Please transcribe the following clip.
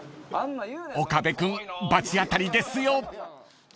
［岡部君罰当たりですよ］